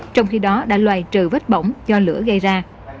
trong khi đó đã loại trừ vết bỏng do lửa gây ra